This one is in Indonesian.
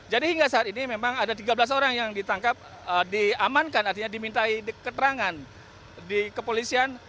hingga saat ini memang ada tiga belas orang yang ditangkap diamankan artinya dimintai keterangan di kepolisian